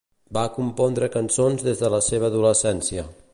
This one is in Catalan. Va compondre cançons des de la seva adolescència.